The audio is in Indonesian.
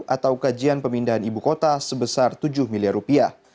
atau kajian pemindahan ibu kota sebesar tujuh miliar rupiah